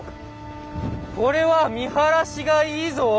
これは見晴らしがいいぞ！